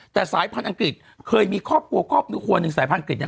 แต่สายพันธุ์อังกฤษเคยมีครอบครัวครอบครัวหนึ่งสายพันกฤษเนี่ย